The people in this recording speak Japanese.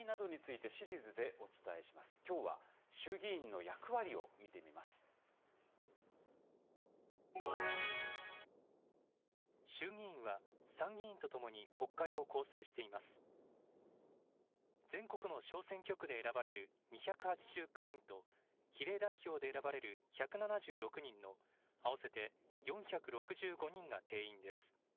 全国の小選挙区で選ばれる２８９人と、比例代表で選ばれる１７６人の合わせて４６５人が定員です。